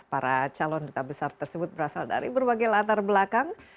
para calon duta besar tersebut berasal dari berbagai latar belakang